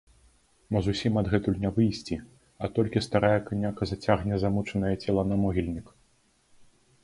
Мо зусім адгэтуль не выйсці, а толькі старая каняка зацягне замучанае цела на могільнік?